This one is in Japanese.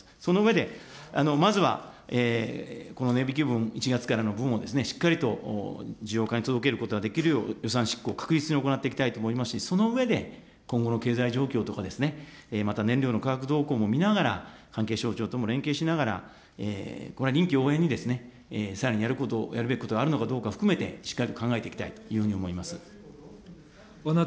その上で、まずはこの値引き分、１月からの分をしっかりと需要家に届けることができるように、予算執行、確実に行っていきたいと思いますし、その上で今後の経済状況とかまた燃料の価格動向も見ながら、関係省庁とも連携しながら、これは臨機応変にさらにやるべきことがあるのかどうかも含めて、しっかりと考えていきたいというふうに思います。